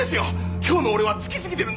今日の俺はつきすぎてるんだ。